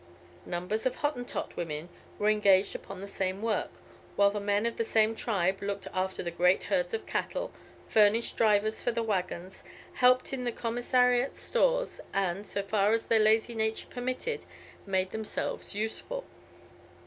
Numbers of Hottentot women were engaged upon the same work, while the men of the same tribe looked after the great herds of cattle, furnished drivers for the waggons, helped in the commissariat stores, and, so far as their lazy nature permitted, made themselves useful.